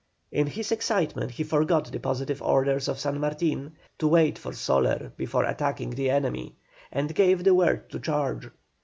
In his excitement he forgot the positive orders of San Martin to wait for Soler before attacking the enemy, and gave the word to charge.